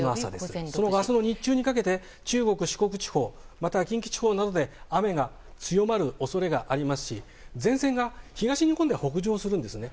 明日の日中にかけて中国・四国地方また近畿地方などで雨が強まる恐れがありますし前線が東日本で北上するんですね。